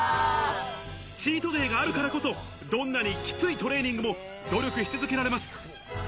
チートデイがあるからこそ、どんなにきついトレーニングも努力し続けられます。